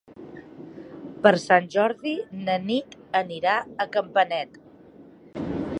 Per Sant Jordi na Nit anirà a Campanet.